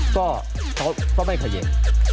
ก็ไม่เคยเย็น